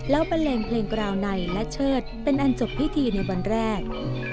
แล้วบันเลงเพลงกราวในและเชิดเป็นอันจบพิธีในวันแรก